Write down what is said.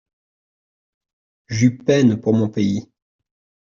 J'eus peine pour mon pays.